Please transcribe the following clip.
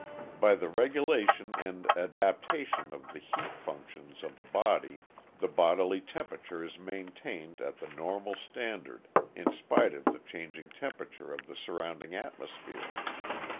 By the regulation and adaptation of the heat functions of the body the bodily temperature is maintained at the normal standard in spite of the changing temperature of the surrounding atmosphere.